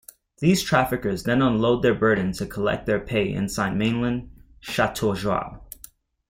These traffickers then unload their burden to collect their pay inside mainland Shatoujiao.